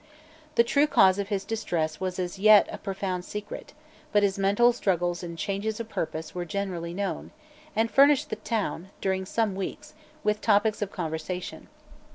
The true cause of his distress was as yet a profound secret; but his mental struggles and changes of purpose were generally known, and furnished the town, during some weeks, with topics of conversation.